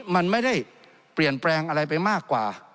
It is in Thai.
มันไม่ได้เปลี่ยนแปลงอะไรไปมากกว่า